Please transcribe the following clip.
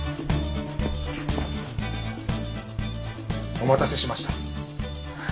お待たせしました。